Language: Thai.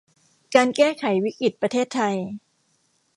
การแก้ไขวิกฤตประเทศไทย